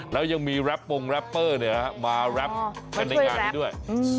แล้วยังมีแรปงแรปเปอร์มาแรปกันในงานนี้ด้วย